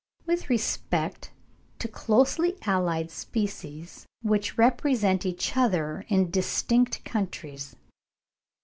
with respect to closely allied species which represent each other in distinct countries.